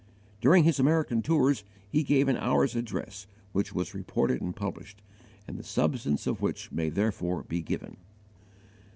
During his American tours, he gave an hour's address which was reported and published, and the substance of which may therefore be given.